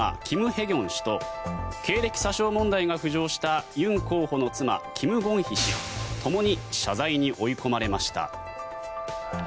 キム・ヘギョン氏と経歴詐称問題が浮上したユン候補の妻、キム・ゴンヒ氏ともに謝罪に追い込まれました。